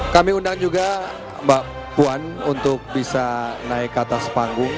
kami undang juga mbak puan untuk bisa naik ke atas panggung